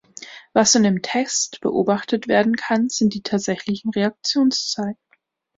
Was in dem Test beobachtet werden kann, sind die tatsächlichen Reaktionszeiten.